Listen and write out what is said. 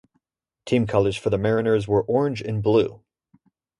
Team colors for the Mariners were orange and blue.